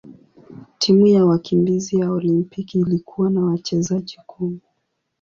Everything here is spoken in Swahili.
Timu ya wakimbizi ya Olimpiki ilikuwa na wachezaji kumi.